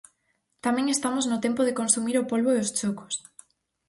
Tamén estamos no tempo de consumir o polbo e os chocos.